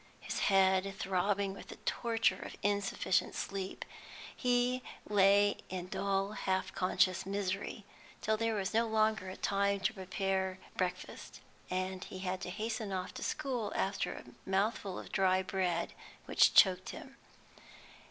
His head throbbing with the torture of insufficient sleep, he lay in dull half conscious misery till there was no longer time to prepare breakfast, and he had to hasten off to school after a mouthful of dry bread which choked him.